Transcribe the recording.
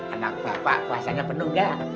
anak bapak puasanya penuh enggak